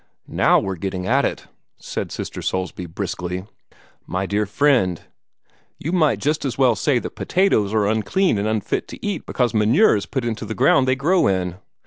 "Now we're getting at it," said Sister Soulsby, briskly. "My dear friend, you might just as well say that potatoes are unclean and unfit to eat because manure is put into the ground they grow in.